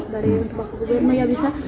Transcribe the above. dari untuk buberma ya bisa